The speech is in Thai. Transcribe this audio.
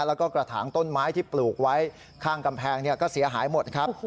แล้วก็กระถางต้นไม้ที่ปลูกไว้ข้างกำแพงก็เสียหายหมดครับ